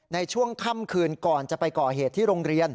ในช่วงค่ำคืนก่อนจะไปก่อเหตุที่โรงเรียน